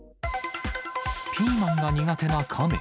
ピーマンが苦手なカメ。